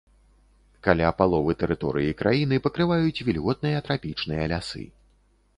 Каля паловы тэрыторыі краіны пакрываюць вільготныя трапічныя лясы.